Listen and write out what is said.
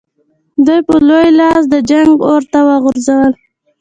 دوی په لوی لاس د جنګ اور ته وغورځول.